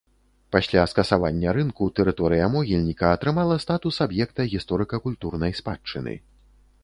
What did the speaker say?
Пасля скасавання рынку тэрыторыя могільніка атрымала статус аб'екта гісторыка-культурнай спадчыны.